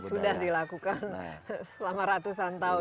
karena sudah dilakukan selama ratusan tahun